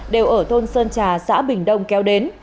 đều ở thôn sơn trà xã bình đông kéo đến